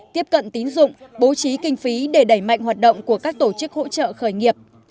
tiếp cận tín dụng bố trí kinh phí để đẩy mạnh hoạt động của các tổ chức hỗ trợ khởi nghiệp